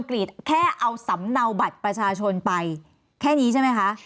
กรีดแค่เอาสำเนาบัตรประชาชนไปแค่นี้ใช่ไหมคะ